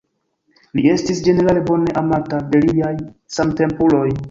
Li estis ĝenerale bone amata de liaj samtempuloj.